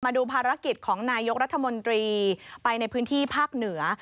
มาดูภารกิจของนายกรัฐมนตรีไปในพื้นที่ภาคเหนือ